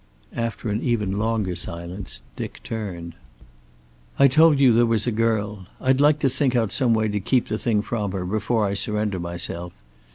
After an even longer silence Dick turned. "I told you there was a girl. I'd like to think out some way to keep the thing from her, before I surrender myself.